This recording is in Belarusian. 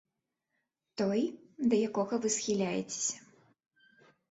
Той, да якога вы схіляецеся.